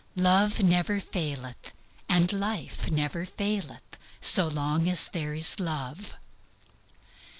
Love never faileth, and life never faileth, so long as there is love.